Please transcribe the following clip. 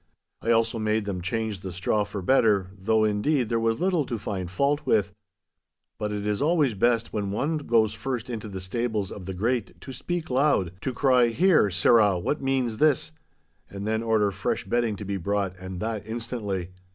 I also made them change the straw for better, though, indeed, there was little to find fault with. But it is always best when one goes first into the stables of the great to speak loud, to cry, 'Here, sirrah, what means this?' And then order fresh bedding to be brought, and that instantly.